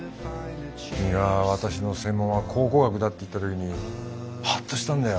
君が私の専門は考古学だって言った時にはっとしたんだよ。